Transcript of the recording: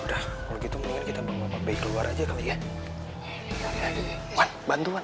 udah kalau gitu mendingan kita bawa bapak bayi keluar aja kali ya